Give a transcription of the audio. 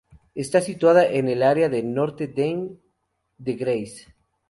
Está situada en el área de Notre-Dame-de-Grâce.